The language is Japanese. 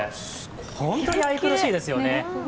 本当に愛くるしいですね。